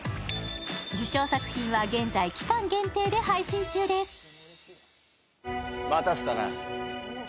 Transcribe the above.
受賞作品は現在期間限定で配信中です。